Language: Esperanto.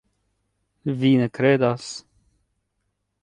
Vi ne kredas?